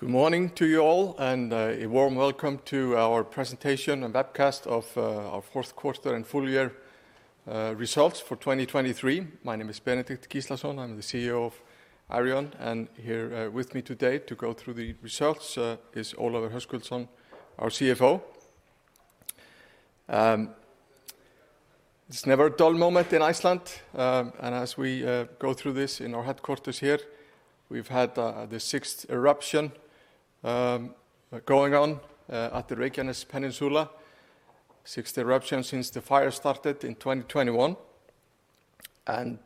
Good morning to you all, and a warm welcome to our presentation and webcast of our Fourth Quarter and Full Year Results for 2023. My name is Benedikt Gíslason. I'm the CEO of Arion, and here with me today to go through the results is Ólafur Höskuldsson, our CFO. It's never a dull moment in Iceland, and as we go through this in our headquarters here, we've had the sixth eruption going on at the Reykjanes Peninsula. Sixth eruption since the fire started in 2021, and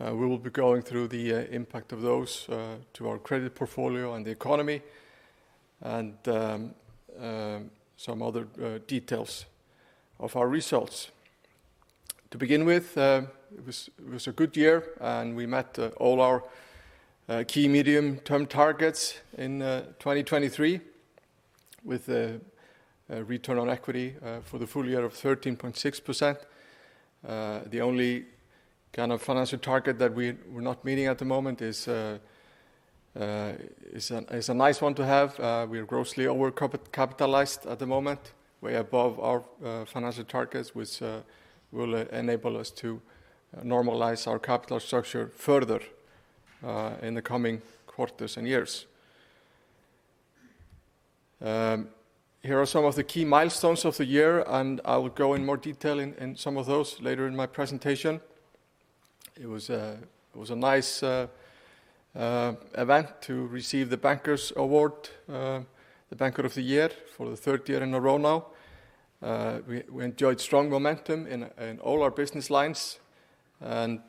we will be going through the impact of those to our credit portfolio and the economy and some other details of our results. To begin with, it was a good year, and we met all our key medium-term targets in 2023, with a return on equity for the full year of 13.6%. The only kind of financial target that we're not meeting at the moment is a nice one to have. We're grossly overcapitalized at the moment, way above our financial targets, which will enable us to normalize our capital structure further in the coming quarters and years. Here are some of the key milestones of the year, and I will go in more detail in some of those later in my presentation. It was a nice event to receive the Bankers Award, the Banker of the Year for the third year in a row now. We enjoyed strong momentum in all our business lines, and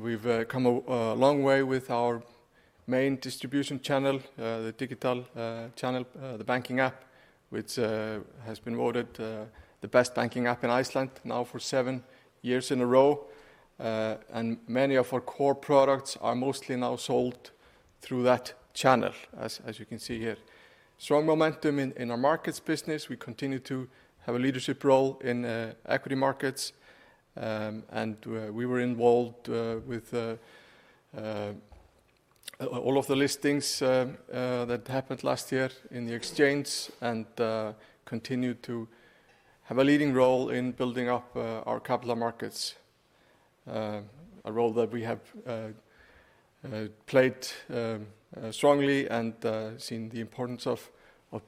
we've come a long way with our main distribution channel, the digital channel, the banking app, which has been voted the best banking app in Iceland now for seven years in a row. And many of our core products are mostly now sold through that channel, as you can see here. Strong momentum in our markets business. We continue to have a leadership role in equity markets, and we were involved with all of the listings that happened last year in the exchange and continued to have a leading role in building up our capital markets. A role that we have played strongly and seen the importance of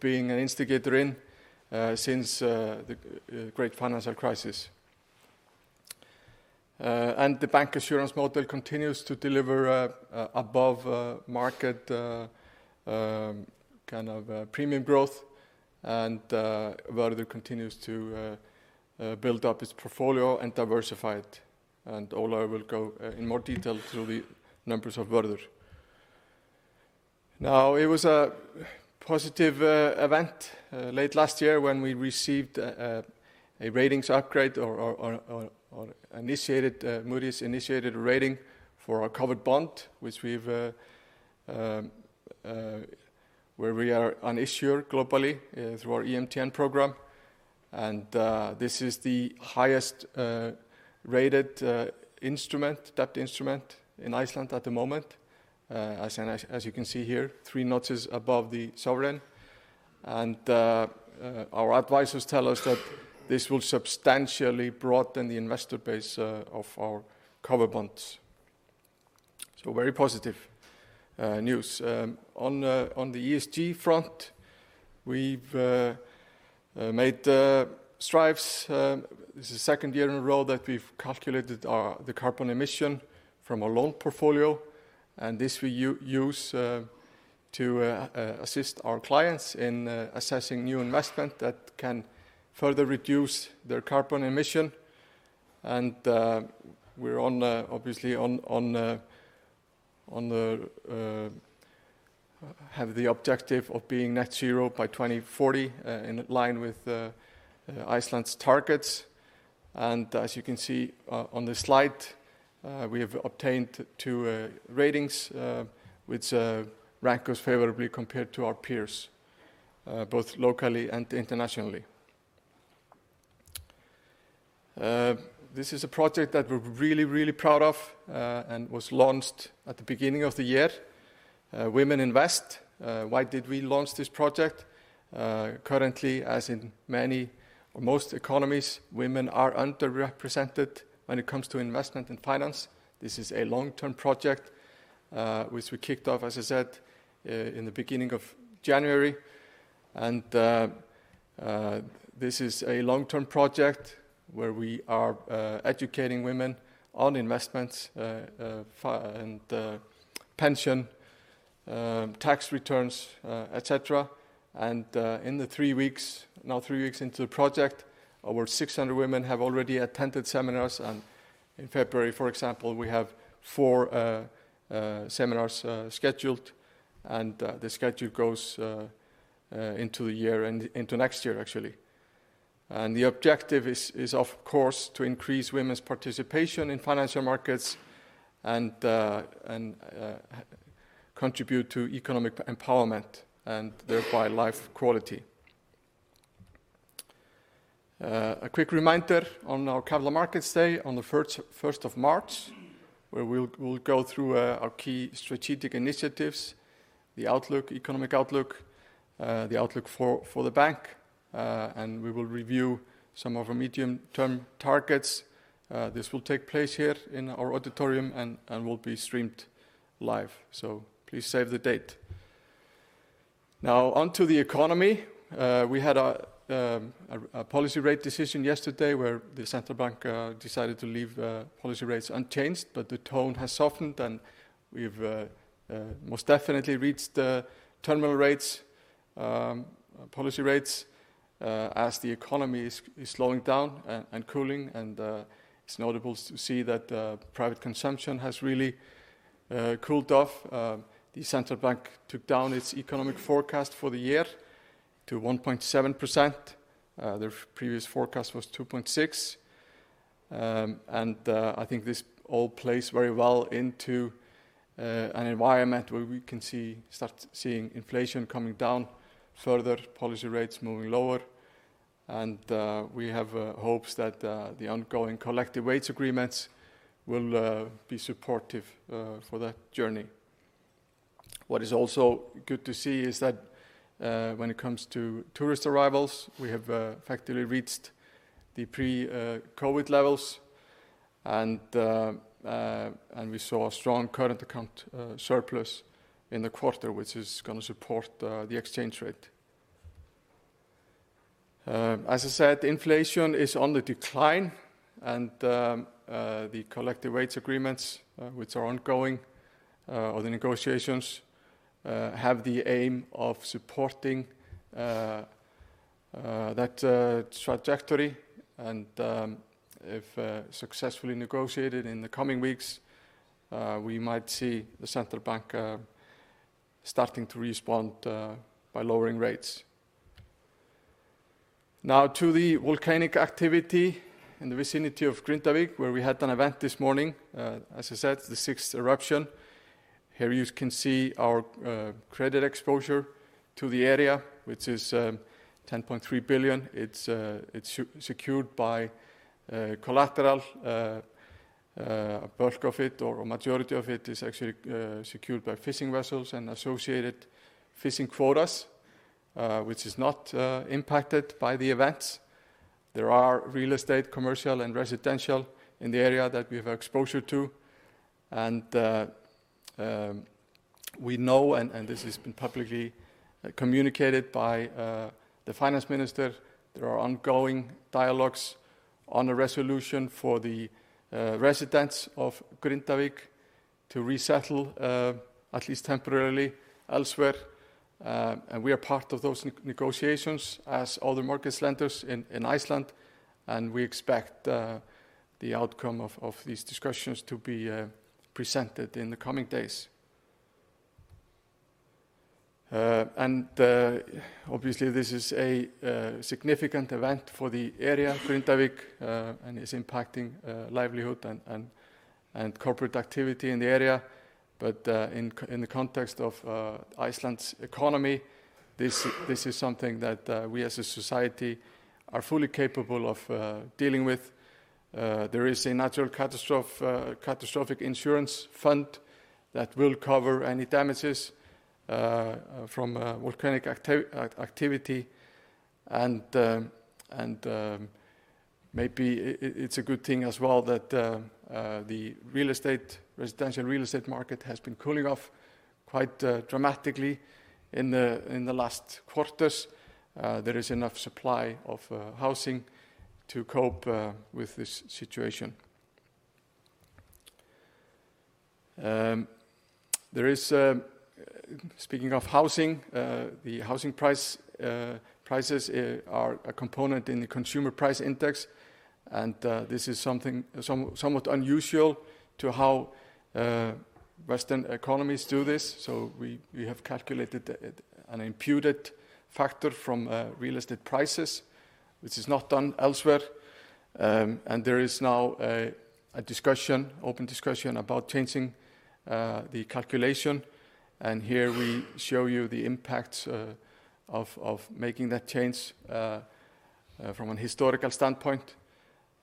being an instigator in since the great financial crisis. And the bancassurance model continues to deliver above market kind of premium growth, and Vörður continues to build up its portfolio and diversify it, and Ólafur will go in more detail through the numbers of Vörður. Now, it was a positive event late last year when we received a ratings upgrade or initiated Moody's initiated a rating for our covered bond, which we've where we are an issuer globally through our EMTN program. And this is the highest rated instrument, debt instrument in Iceland at the moment. As you can see here, three notches above the sovereign. And our advisors tell us that this will substantially broaden the investor base of our covered bonds. So very positive news. On the ESG front, we've made strides. This is the second year in a row that we've calculated the carbon emission from our loan portfolio, and this we use to assist our clients in assessing new investment that can further reduce their carbon emission. We're obviously on to have the objective of being net zero by 2040, in line with Iceland's targets. As you can see on this slide, we have obtained two ratings, which rank us favorably compared to our peers both locally and internationally. This is a project that we're really, really proud of, and was launched at the beginning of the year, Women Invest. Why did we launch this project? Currently, as in many or most economies, women are underrepresented when it comes to investment and finance. This is a long-term project, which we kicked off, as I said, in the beginning of January. This is a long-term project where we are educating women on investments, and pension, tax returns, et cetera. In the three weeks, now three weeks into the project, over 600 women have already attended seminars, and in February, for example, we have four seminars scheduled, and the schedule goes into the year and into next year, actually. The objective is, of course, to increase women's participation in financial markets and contribute to economic empowerment and thereby life quality. A quick reminder on our Capital Markets Day on the first of March, where we'll go through our key strategic initiatives, the outlook, economic outlook, the outlook for the bank, and we will review some of our medium-term targets. This will take place here in our auditorium and will be streamed live. So please save the date. Now, on to the economy. We had a policy rate decision yesterday, where the Central Bank decided to leave policy rates unchanged, but the tone has softened, and we've most definitely reached the terminal rates, policy rates, as the economy is slowing down and cooling, and it's notable to see that private consumption has really cooled off. The Central Bank took down its economic forecast for the year to 1.7%. Their previous forecast was 2.6%. And I think this all plays very well into an environment where we can see start seeing inflation coming down, further policy rates moving lower, and we have hopes that the ongoing collective wage agreements will be supportive for that journey. What is also good to see is that when it comes to tourist arrivals, we have effectively reached the pre-COVID levels, and we saw a strong current account surplus in the quarter, which is gonna support the exchange rate. As I said, inflation is on the decline, and the collective wage agreements, which are ongoing, or the negotiations, have the aim of supporting that trajectory, and if successfully negotiated in the coming weeks, we might see the Central Bank starting to respond by lowering rates. Now, to the volcanic activity in the vicinity of Grindavík, where we had an event this morning, as I said, the sixth eruption. Here you can see our credit exposure to the area, which is 10.3 billion. It's secured by collateral. A bulk of it or a majority of it is actually secured by fishing vessels and associated fishing quotas, which is not impacted by the events. There are real estate, commercial, and residential in the area that we have exposure to, and we know, and this has been publicly communicated by the finance minister. There are ongoing dialogues on a resolution for the residents of Grindavík to resettle, at least temporarily, elsewhere. And we are part of those negotiations as other markets lenders in Iceland, and we expect the outcome of these discussions to be presented in the coming days. And obviously, this is a significant event for the area, Grindavík, and it's impacting livelihood and corporate activity in the area. But in the context of Iceland's economy, this is something that we as a society are fully capable of dealing with. There is a natural catastrophic insurance fund that will cover any damages from volcanic activity. And maybe it's a good thing as well that the real estate, residential real estate market has been cooling off quite dramatically in the last quarters. There is enough supply of housing to cope with this situation. There is... Speaking of housing, the housing prices are a component in the consumer price index, and this is something somewhat unusual to how Western economies do this. So we have calculated an imputed factor from real estate prices, which is not done elsewhere. And there is now a discussion, open discussion about changing the calculation, and here we show you the impacts of making that change from a historical standpoint.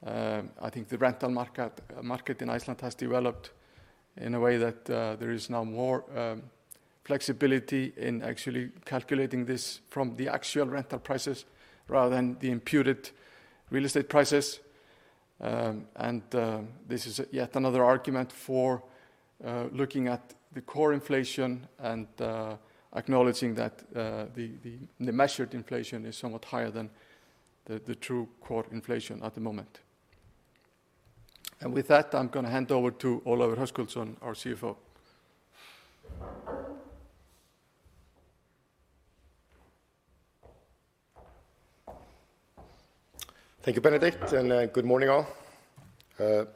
I think the rental market in Iceland has developed in a way that there is now more flexibility in actually calculating this from the actual rental prices rather than the imputed real estate prices. And this is yet another argument for looking at the core inflation and acknowledging that the measured inflation is somewhat higher than the true core inflation at the moment. And with that, I'm gonna hand over to Ólafur Höskuldsson, our CFO. Thank you, Benedikt, and good morning, all.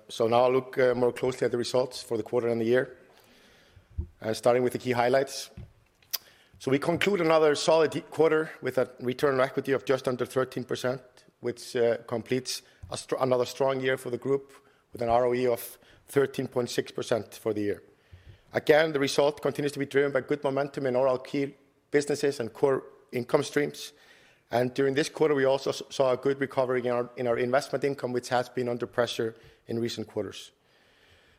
So now I'll look more closely at the results for the quarter and the year, starting with the key highlights. So we conclude another solid quarter with a return on equity of just under 13%, which completes another strong year for the group, with an ROE of 13.6% for the year. Again, the result continues to be driven by good momentum in all our key businesses and core income streams. And during this quarter, we also saw a good recovery in our investment income, which has been under pressure in recent quarters.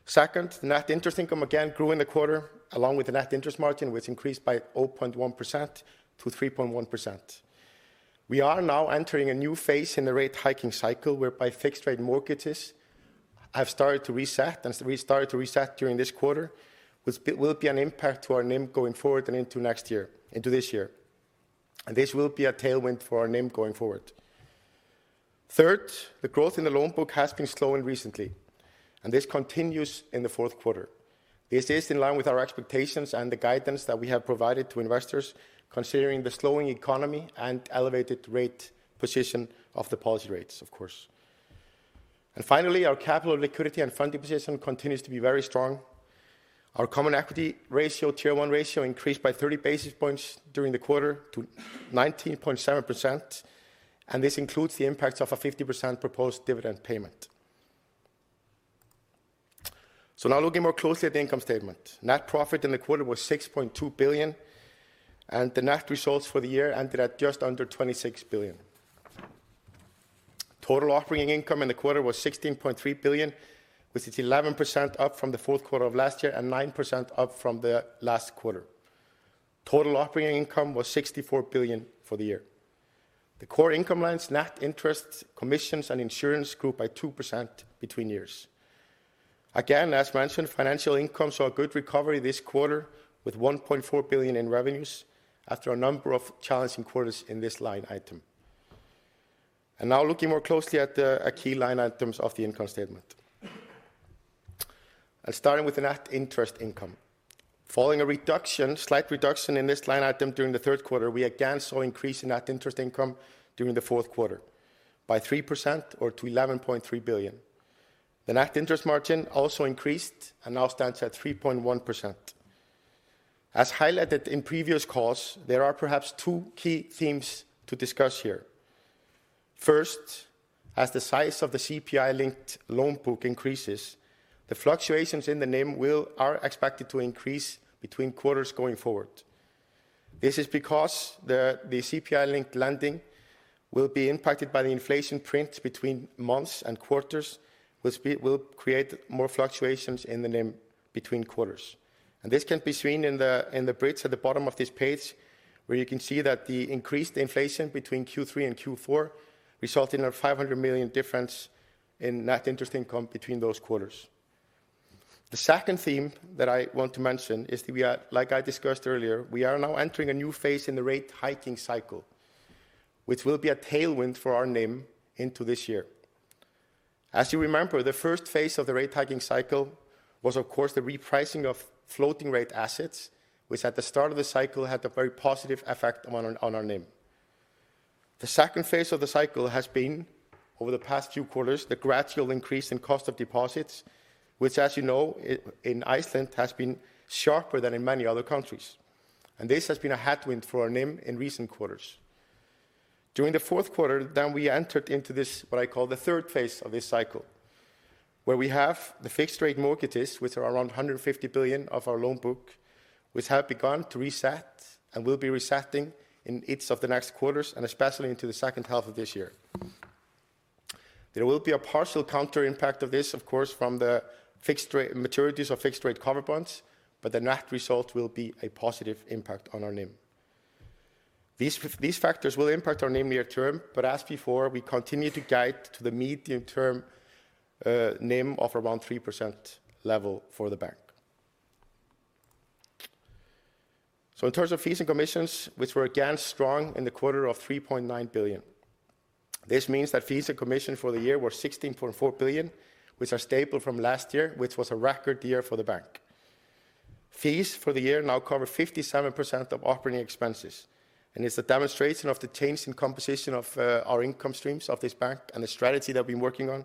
Second, net interest income again grew in the quarter, along with the net interest margin, which increased by 0.1%-3.1%. We are now entering a new phase in the rate hiking cycle, whereby fixed rate mortgages have started to reset, and we started to reset during this quarter, which will be an impact to our NIM going forward and into next year, into this year. And this will be a tailwind for our NIM going forward. Third, the growth in the loan book has been slowing recently, and this continues in the fourth quarter. This is in line with our expectations and the guidance that we have provided to investors, considering the slowing economy and elevated rate position of the policy rates, of course. And finally, our capital liquidity and funding position continues to be very strong. Our common equity ratio, Tier 1 ratio, increased by 30 basis points during the quarter to 19.7%, and this includes the impacts of a 50% proposed dividend payment. So now looking more closely at the income statement. Net profit in the quarter was 6.2 billion, and the net results for the year ended at just under 26 billion. Total operating income in the quarter was 16.3 billion, which is 11% up from the fourth quarter of last year and 9% up from the last quarter. Total operating income was 64 billion for the year. The core income lines, net interests, commissions, and insurance grew by 2% between years. Again, as mentioned, financial income saw a good recovery this quarter, with 1.4 billion in revenues after a number of challenging quarters in this line item. And now looking more closely at the key line items of the income statement. And starting with the net interest income. Following a slight reduction in this line item during the third quarter, we again saw increase in net interest income during the fourth quarter by 3% or to 11.3 billion. The net interest margin also increased and now stands at 3.1%. As highlighted in previous calls, there are perhaps two key themes to discuss here. First, as the size of the CPI-linked loan book increases, the fluctuations in the NIM will be expected to increase between quarters going forward. This is because the CPI-linked lending will be impacted by the inflation print between months and quarters, which will create more fluctuations in the NIM between quarters. This can be seen in the, in the bridge at the bottom of this page, where you can see that the increased inflation between Q3 and Q4 resulted in an 500 million difference in net interest income between those quarters. The second theme that I want to mention is we are, like I discussed earlier, we are now entering a new phase in the rate hiking cycle, which will be a tailwind for our NIM into this year. As you remember, the first phase of the rate hiking cycle was, of course, the repricing of floating rate assets, which at the start of the cycle had a very positive effect on our, on our NIM. The second phase of the cycle has been, over the past few quarters, the gradual increase in cost of deposits, which, as you know, in Iceland, has been sharper than in many other countries. This has been a headwind for our NIM in recent quarters. During the fourth quarter, then we entered into this, what I call the third phase of this cycle, where we have the fixed rate mortgages, which are around 150 billion of our loan book, which have begun to reset and will be resetting in each of the next quarters, and especially into the second half of this year. There will be a partial counter impact of this, of course, from the fixed rate maturities of fixed rate cover bonds, but the net result will be a positive impact on our NIM. These factors will impact our NIM near term, but as before, we continue to guide to the medium term, NIM of around 3% level for the bank. So in terms of fees and commissions, which were again strong in the quarter of 3.9 billion. This means that fees and commission for the year were 16.4 billion, which are stable from last year, which was a record year for the bank. Fees for the year now cover 57% of operating expenses, and it's a demonstration of the change in composition of, our income streams of this bank and the strategy that we've been working on,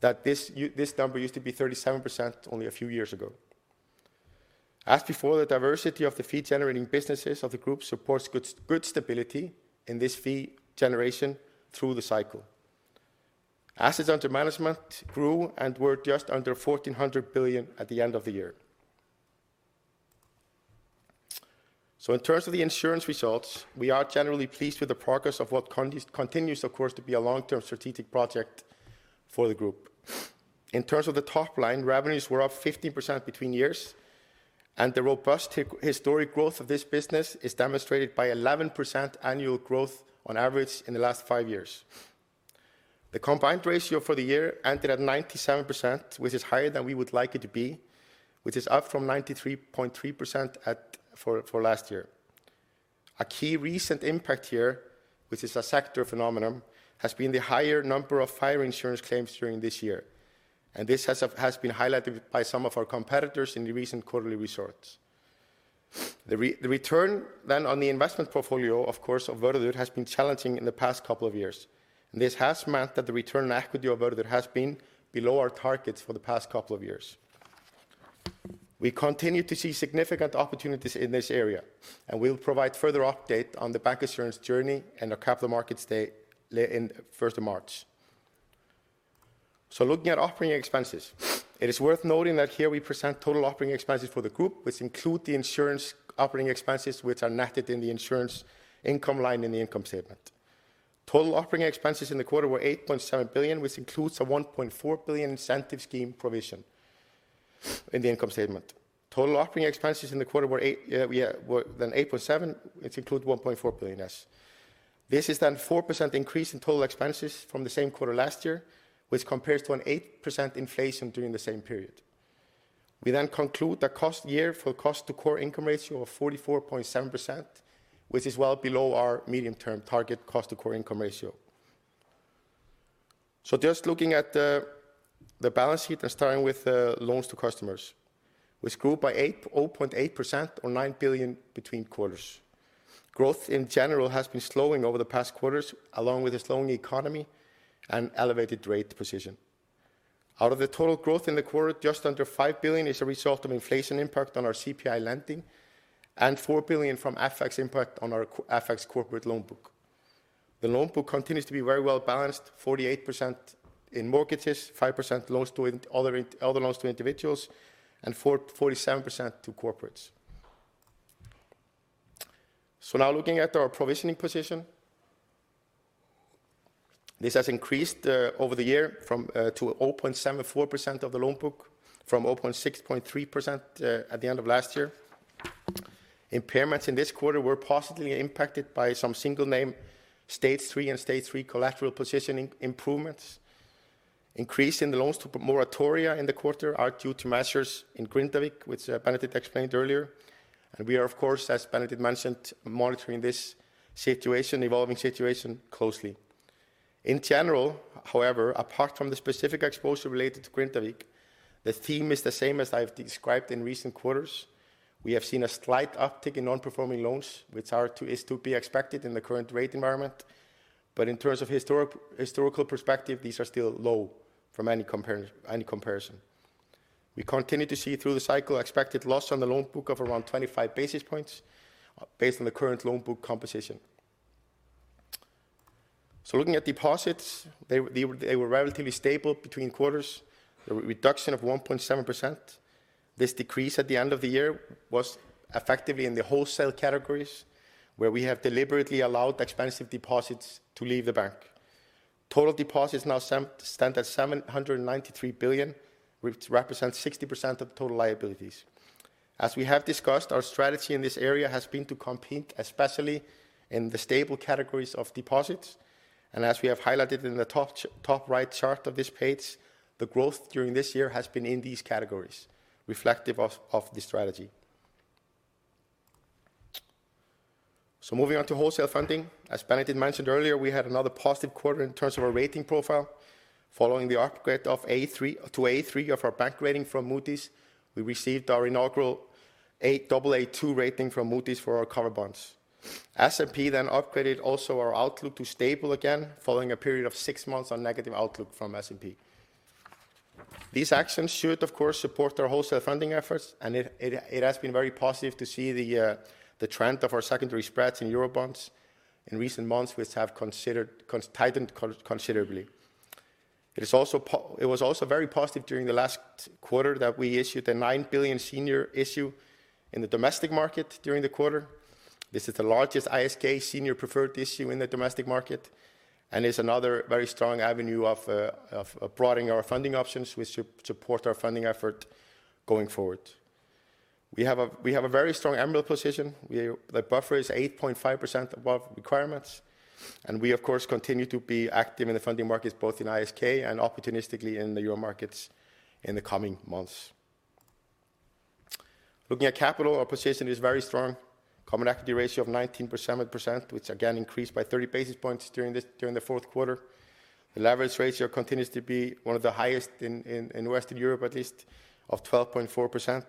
that this number used to be 37% only a few years ago. As before, the diversity of the fee-generating businesses of the group supports good stability in this fee generation through the cycle. Assets under management grew and were just under 1,400 billion at the end of the year. So in terms of the insurance results, we are generally pleased with the progress of what continues, of course, to be a long-term strategic project for the group. In terms of the top line, revenues were up 15% between years, and the robust historic growth of this business is demonstrated by 11% annual growth on average in the last five years. The combined ratio for the year ended at 97%, which is higher than we would like it to be, which is up from 93.3% for last year. A key recent impact here, which is a sector phenomenon, has been the higher number of fire insurance claims during this year, and this has been highlighted by some of our competitors in the recent quarterly results. The return then on the investment portfolio, of course, of Vörður has been challenging in the past couple of years. This has meant that the return on equity of Vörður has been below our targets for the past couple of years. We continue to see significant opportunities in this area, and we will provide further update on the bank insurance journey and our Capital Markets Day in first of March. So looking at operating expenses, it is worth noting that here we present total operating expenses for the group, which include the insurance operating expenses, which are netted in the insurance income line in the income statement. Total operating expenses in the quarter were 8.7 billion, which includes a 1.4 billion incentive scheme provision in the income statement. Total operating expenses in the quarter were eight, were then 8.7 billion, which includes 1.4 billion less. This is then 4% increase in total expenses from the same quarter last year, which compares to an 8% inflation during the same period. We then conclude the cost year for cost-to-core income ratio of 44.7%, which is well below our medium-term target cost-to-core income ratio. So just looking at the balance sheet and starting with the loans to customers, which grew by 0.8% or 9 billion between quarters. Growth, in general, has been slowing over the past quarters, along with a slowing economy and elevated rate position. Out of the total growth in the quarter, just under 5 billion is a result of inflation impact on our CPI lending, and 4 billion from FX impact on our FX corporate loan book. The loan book continues to be very well balanced, 48% in mortgages, 5% loans to other other loans to individuals, and forty-seven percent to corporates. So now looking at our provisioning position, this has increased, over the year from, to 0.74% of the loan book, from 0.63%, at the end of last year. Impairments in this quarter were positively impacted by some single name, Stage 3 and Stage 3 collateral positioning improvements. Increase in the loans to moratoria in the quarter are due to measures in Grindavík, which, Benedikt explained earlier. We are, of course, as Benedikt mentioned, monitoring this situation, evolving situation closely. In general, however, apart from the specific exposure related to Grindavík, the theme is the same as I've described in recent quarters. We have seen a slight uptick in non-performing loans, which is to be expected in the current rate environment. But in terms of historical perspective, these are still low from any comparison. We continue to see through the cycle expected loss on the loan book of around 25 basis points, based on the current loan book composition. So looking at deposits, they, they, they were relatively stable between quarters, a reduction of 1.7%. This decrease at the end of the year was effectively in the wholesale categories, where we have deliberately allowed expensive deposits to leave the bank. Total deposits now stand at 793 billion, which represents 60% of total liabilities. As we have discussed, our strategy in this area has been to compete, especially in the stable categories of deposits, and as we have highlighted in the top right chart of this page, the growth during this year has been in these categories, reflective of the strategy. So moving on to wholesale funding. As Benedikt mentioned earlier, we had another positive quarter in terms of our rating profile. Following the upgrade of A3 to A3 of our bank rating from Moody's, we received our inaugural Aa2 rating from Moody's for our covered bonds. S&P then upgraded also our outlook to stable again, following a period of six months on negative outlook from S&P. These actions should, of course, support our wholesale funding efforts, and it has been very positive to see the trend of our secondary spreads in Eurobonds in recent months, which have tightened considerably. It was also very positive during the last quarter that we issued an 9 billion senior issue in the domestic market during the quarter. This is the largest ISK senior preferred issue in the domestic market and is another very strong avenue of broadening our funding options, which should support our funding effort going forward. We have a very strong MREL position. The buffer is 8.5% above requirements, and we, of course, continue to be active in the funding markets, both in ISK and opportunistically in the Euro markets in the coming months. Looking at capital, our position is very strong. Common equity ratio of 19%, which again increased by 30 basis points during the fourth quarter. The leverage ratio continues to be one of the highest in Western Europe, at least of 12.4%.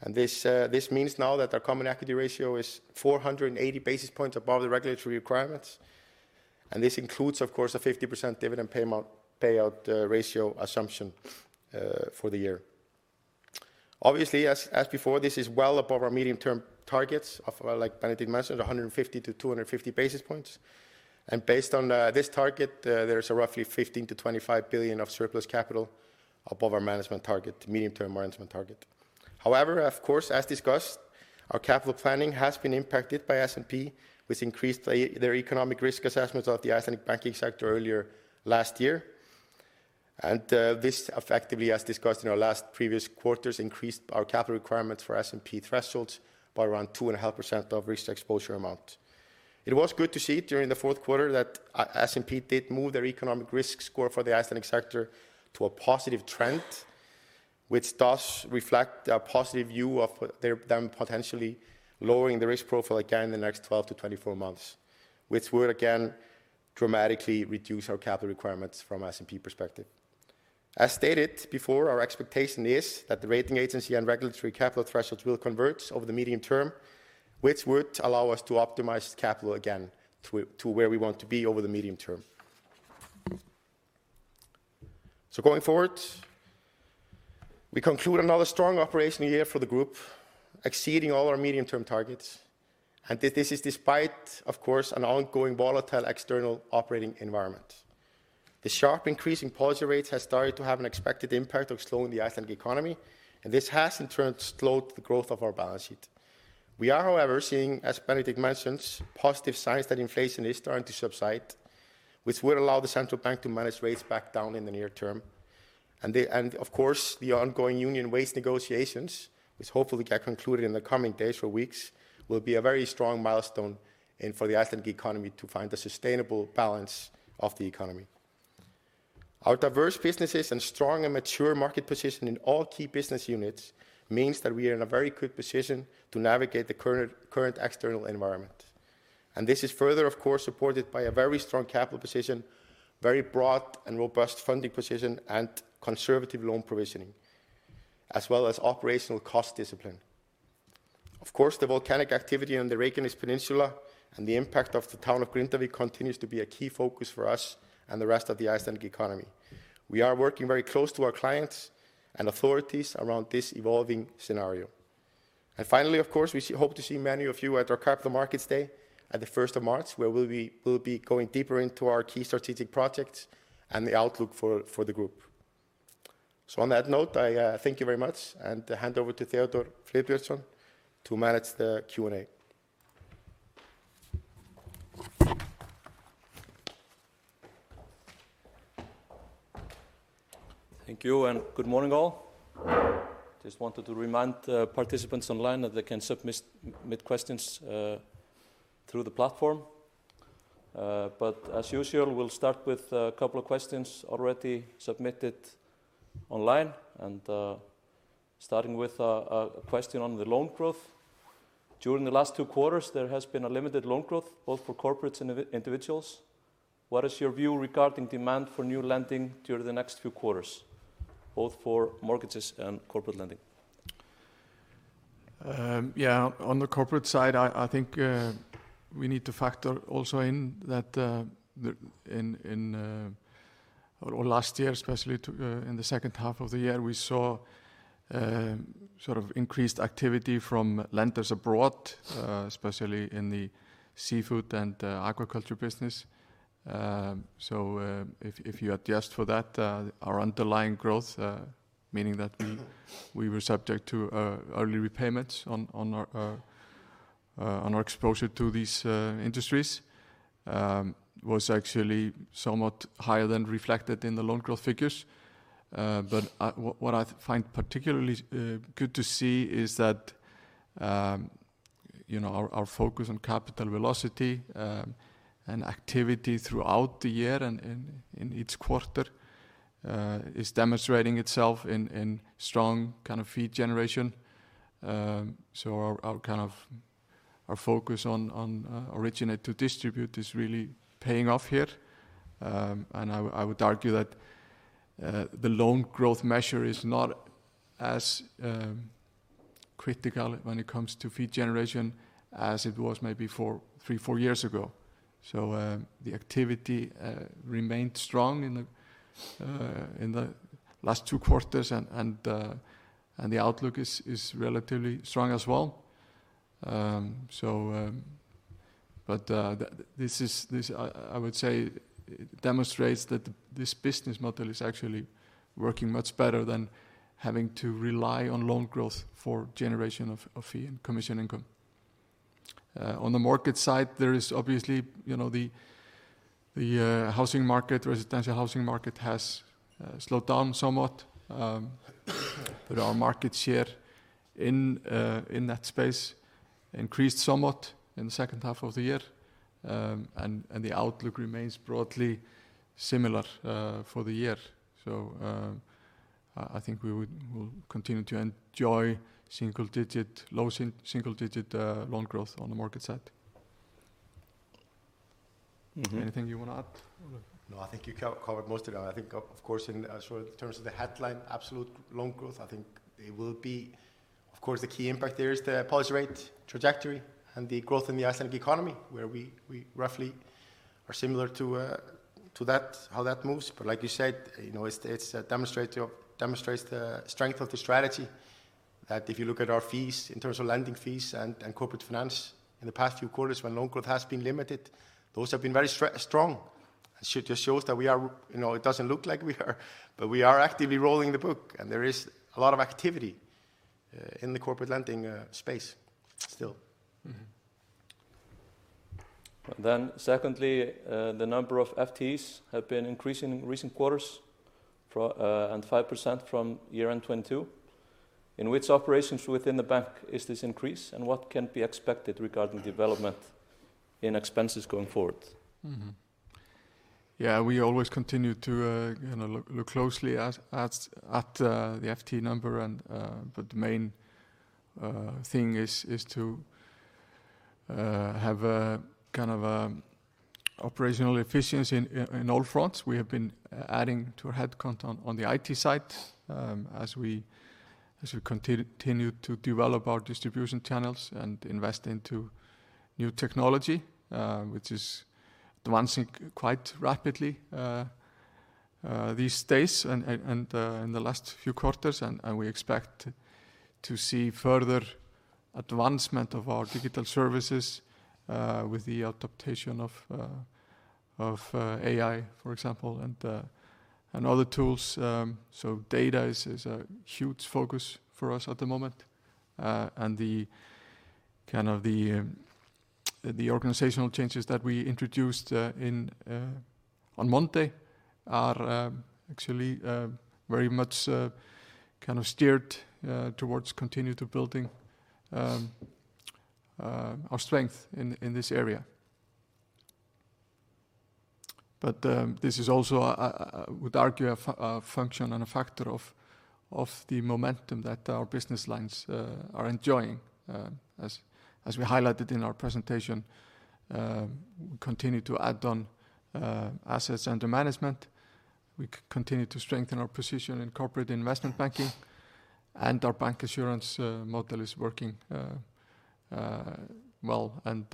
And this means now that our common equity ratio is 480 basis points above the regulatory requirements, and this includes, of course, a 50% dividend payout ratio assumption for the year. Obviously, as before, this is well above our medium-term targets of, like Benedikt mentioned, 150-250 basis points. And based on this target, there is a roughly 15-25 billion of surplus capital above our management target, medium-term management target. However, of course, as discussed, our capital planning has been impacted by S&P, which increased their economic risk assessments of the Icelandic banking sector earlier last year. This effectively, as discussed in our last previous quarters, increased our capital requirements for S&P thresholds by around 2.5% of risk exposure amount. It was good to see during the fourth quarter that S&P did move their economic risk score for the Icelandic sector to a positive trend, which does reflect a positive view of them potentially lowering the risk profile again in the next 12-24 months, which would again dramatically reduce our capital requirements from S&P perspective. As stated before, our expectation is that the rating agency and regulatory capital thresholds will converge over the medium term, which would allow us to optimize capital again to where we want to be over the medium term. So going forward, we conclude another strong operational year for the group, exceeding all our medium-term targets, and this is despite, of course, an ongoing volatile external operating environment. The sharp increase in policy rates has started to have an expected impact of slowing the Icelandic economy, and this has, in turn, slowed the growth of our balance sheet. We are, however, seeing, as Benedikt mentions, positive signs that inflation is starting to subside, which will allow the Central Bank to manage rates back down in the near term. Of course, the ongoing union wage negotiations, which hopefully get concluded in the coming days or weeks, will be a very strong milestone, and for the Icelandic economy to find a sustainable balance of the economy. Our diverse businesses and strong and mature market position in all key business units means that we are in a very good position to navigate the current external environment. And this is further, of course, supported by a very strong capital position, very broad and robust funding position, and conservative loan provisioning, as well as operational cost discipline. Of course, the volcanic activity on the Reykjanes Peninsula and the impact of the town of Grindavík continues to be a key focus for us and the rest of the Icelandic economy. We are working very close to our clients and authorities around this evolving scenario. Finally, of course, we hope to see many of you at our Capital Markets Day on the 1st of March, where we'll be going deeper into our key strategic projects and the outlook for the group. So on that note, I thank you very much, and hand over to Theodór Friðbertsson to manage the Q&A. Thank you, and good morning, all. Just wanted to remind the participants online that they can submit questions through the platform. But as usual, we'll start with a couple of questions already submitted online, and starting with a question on the loan growth. During the last two quarters, there has been a limited loan growth, both for corporates and individuals. What is your view regarding demand for new lending during the next few quarters, both for mortgages and corporate lending? Yeah, on the corporate side, I think we need to factor also in that in our last year, especially in the second half of the year, we saw sort of increased activity from lenders abroad, especially in the seafood and aquaculture business. So, if you adjust for that, our underlying growth, meaning that we were subject to early repayments on our exposure to these industries, was actually somewhat higher than reflected in the loan growth figures. But what I find particularly good to see is that, you know, our focus on capital velocity and activity throughout the year and in each quarter is demonstrating itself in strong kind of fee generation. So our focus on originate to distribute is really paying off here. And I would argue that the loan growth measure is not as critical when it comes to fee generation as it was maybe three or four years ago. So the activity remained strong in the last two quarters, and the outlook is relatively strong as well. But this, I would say, demonstrates that this business model is actually working much better than having to rely on loan growth for generation of fee and commission income. On the market side, there is obviously, you know, the housing market, residential housing market has slowed down somewhat. But our market share in that space increased somewhat in the second half of the year. And the outlook remains broadly similar for the year. So, I think we would, we'll continue to enjoy single digit, low single digit loan growth on the market side. Mm-hmm. Anything you want to add, Ólafur? No, I think you covered most of it. I think, of course, so in terms of the headline, absolute loan growth, I think it will be. Of course, the key impact there is the policy rate trajectory and the growth in the Icelandic economy, where we roughly are similar to that, how that moves. But like you said, you know, it demonstrates the strength of the strategy, that if you look at our fees, in terms of lending fees and corporate finance, in the past few quarters when loan growth has been limited, those have been very strong. It just shows that we are, you know, it doesn't look like we are, but we are actively rolling the book, and there is a lot of activity in the corporate lending space still. Mm-hmm. Then secondly, the number of FTEs have been increasing in recent quarters, and 5% from year-end 2022. In which operations within the bank is this increase, and what can be expected regarding development in expenses going forward? Mm-hmm. Yeah, we always continue to, you know, look closely at the FTE number and, but the main thing is to have a kind of operational efficiency in all fronts. We have been adding to our headcount on the IT side, as we continue to develop our distribution channels and invest into new technology, which is advancing quite rapidly these days and in the last few quarters, and we expect to see further advancement of our digital services with the adaptation of AI, for example, and other tools. So data is a huge focus for us at the moment. And the kind of the organizational changes that we introduced in on Monday are actually very much kind of steered towards continue to building our strength in this area. But this is also a I would argue a function and a factor of the momentum that our business lines are enjoying. As we highlighted in our presentation, we continue to add on assets under management. We continue to strengthen our position in corporate investment banking, and our bancassurance model is working well, and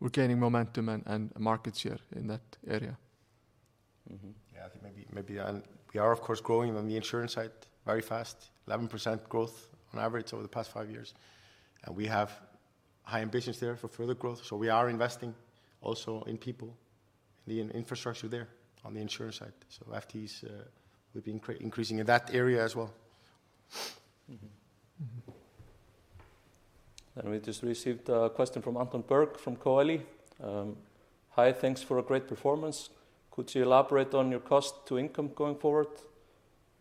we're gaining momentum and market share in that area. Mm-hmm. Yeah, I think maybe, maybe, and we are of course growing on the insurance side very fast, 11% growth on average over the past five years, and we have high ambitions there for further growth. So we are investing also in people, in the infrastructure there on the insurance side. So FTEs, we've been increasing in that area as well. Mm-hmm. Mm-hmm. We just received a question from Anton Berg, from Coeli. "Hi, thanks for a great performance. Could you elaborate on your cost to income going forward?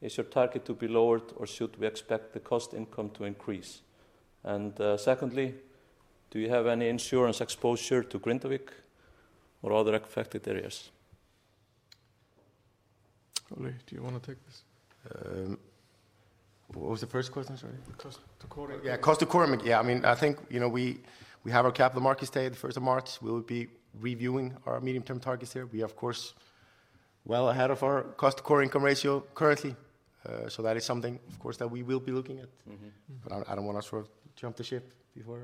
Is your target to be lowered, or should we expect the cost income to increase? And, secondly, do you have any insurance exposure to Grindavík or other affected areas? Ólafur, do you wanna take this? What was the first question, sorry? Cost to core income. Yeah, cost to core income. Yeah, I mean, I think, you know, we, we have our capital markets day, the first of March. We'll be reviewing our medium-term targets there. We are, of course, well ahead of our cost to core income ratio currently. So that is something, of course, that we will be looking at. Mm-hmm. But I don't wanna sort of jump the ship before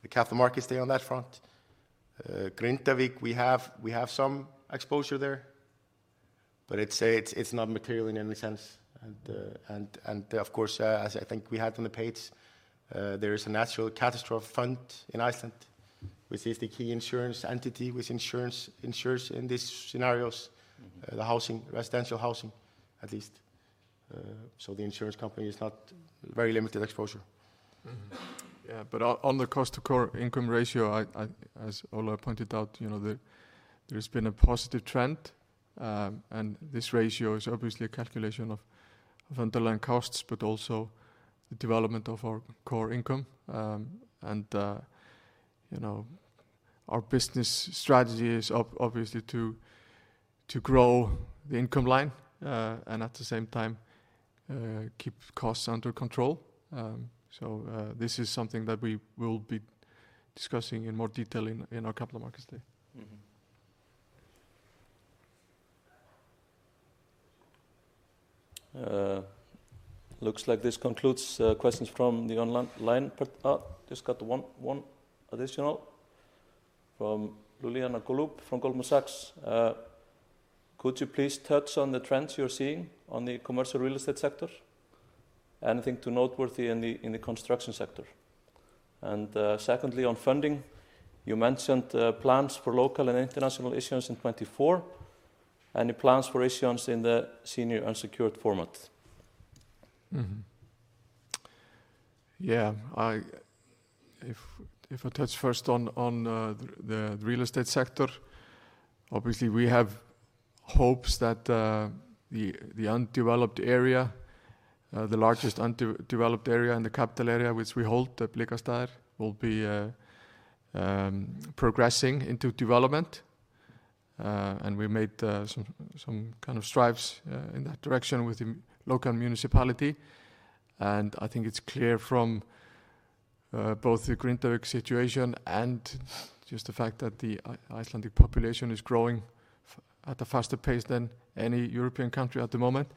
the Capital Markets Day on that front. Grindavík, we have some exposure there, but it's not material in any sense. And of course, as I think we had on the page, there is a natural catastrophe fund in Iceland, which is the key insurance entity with insurance in these scenarios the housing, residential housing, at least. So the insurance company is not very limited exposure. Yeah, but on the cost to core income ratio, as Óla pointed out, you know, there's been a positive trend. And this ratio is obviously a calculation of underlying costs, but also the development of our core income. And you know, our business strategy is obviously to grow the income line, and at the same time, keep costs under control. So, this is something that we will be discussing in more detail in our Capital Markets Day. Mm-hmm. Looks like this concludes questions from the online line. Just got one additional from Iuliana Gollub, from Goldman Sachs. Could you please touch on the trends you're seeing on the commercial real estate sector? Anything too noteworthy in the construction sector? And secondly, on funding, you mentioned plans for local and international issuance in 2024. Any plans for issuance in the senior unsecured format? Mm-hmm. Yeah, if I touch first on the real estate sector, obviously, we have hopes that the undeveloped area, the largest undeveloped area in the capital area, which we hold, the Blikastaðir, will be progressing into development. And we made some kind of strides in that direction with the local municipality. And I think it's clear from both the Grindavík situation and just the fact that the Icelandic population is growing at a faster pace than any European country at the moment,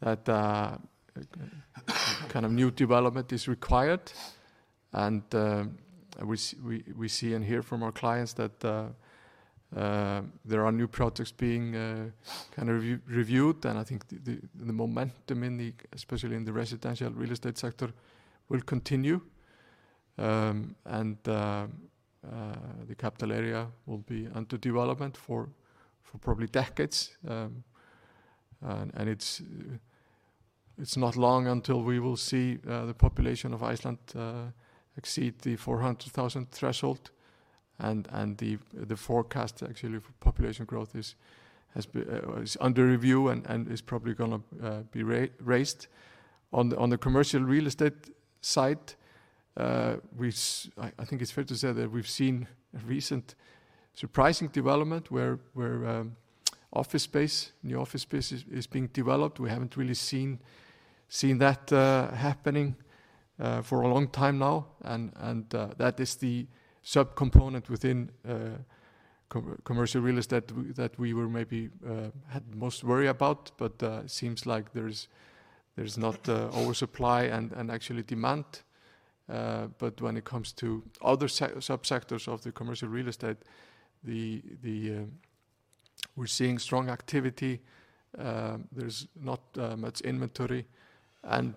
that kind of new development is required. We see and hear from our clients that there are new projects being kind of reviewed, and I think the momentum in the, especially in the residential real estate sector, will continue. The capital area will be under development for probably decades. It's not long until we will see the population of Iceland exceed the 400,000 threshold. The forecast actually for population growth is, has been, is under review and is probably gonna be raised. On the commercial real estate side, I think it's fair to say that we've seen a recent surprising development where office space, new office space is being developed. We haven't really seen that happening for a long time now. That is the subcomponent within commercial real estate that we maybe had most worry about, but it seems like there's not oversupply and actually demand. But when it comes to other subsectors of the commercial real estate, we're seeing strong activity. There's not much inventory, and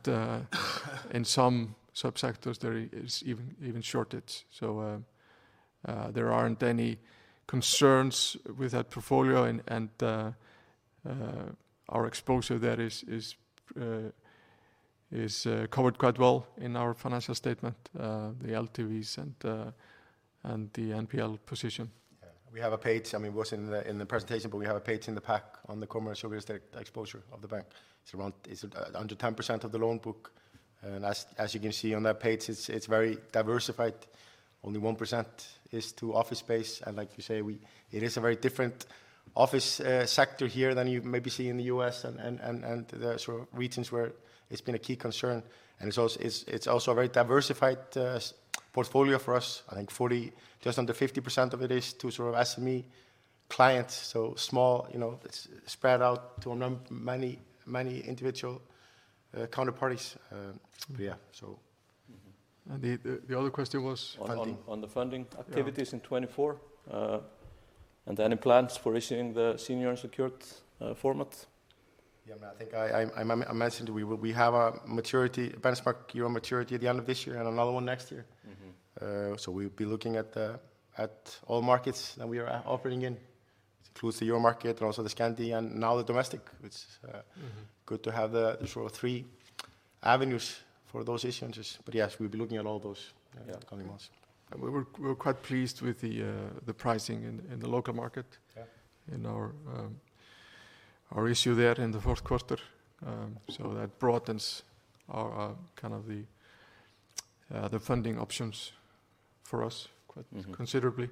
in some subsectors there is even shortage. So there aren't any concerns with that portfolio and our exposure there is covered quite well in our financial statement, the LTVs and the NPL position. Yeah. We have a page, I mean, it was in the presentation, but we have a page in the pack on the commercial real estate exposure of the bank. It's around, it's under 10% of the loan book, and as you can see on that page, it's very diversified. Only 1% is to office space, and like you say, we, it is a very different office sector here than you maybe see in the U.S. and the sort of regions where it's been a key concern. And it's also, it's also a very diversified portfolio for us. I think 40, just under 50% of it is to sort of SME clients, so small, you know, it's spread out to many, many individual counterparties. But yeah, so. Mm-hmm. And the other question was funding? On the funding activities in 2024, and any plans for issuing the senior unsecured format? Yeah, I mean, I think I mentioned we will—we have a maturity, benchmark euro maturity at the end of this year and another one next year. Mm-hmm. So we'll be looking at all markets that we are operating in. It includes the euro market and also the Scandi and now the domestic. It's good to have the sort of three avenues for those issuances. But yes, we'll be looking at all those in the coming months. We were quite pleased with the pricing in the local market in our issue there in the fourth quarter. So that broadens our kind of funding options for us quite considerably.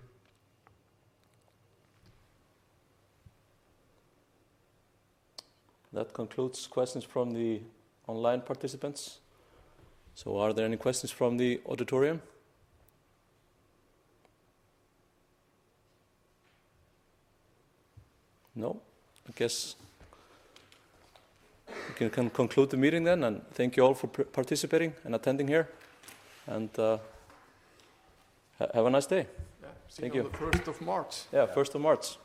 That concludes questions from the online participants. So are there any questions from the auditorium? No. I guess we can conclude the meeting then, and thank you all for participating and attending here. Have a nice day! Yeah. Thank you. See you on the 1st of March. Yeah, 1st of March.